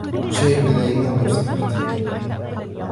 شاي بالليمون ، لو سمحت.